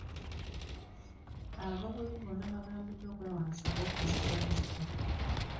Abavubi bonna baagambidwa okwewandiisa ku woofiisi za disitulikiti.